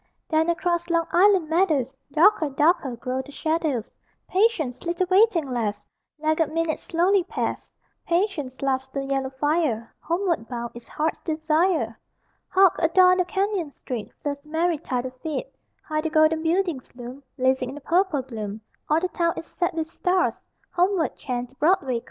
(Then, across Long Island meadows, Darker, darker, grow the shadows: Patience, little waiting lass! Laggard minutes slowly pass; Patience, laughs the yellow fire: Homeward bound is heart's desire!) Hark, adown the canyon street Flows the merry tide of feet; High the golden buildings loom Blazing in the purple gloom; All the town is set with stars, Homeward chant the Broadway cars!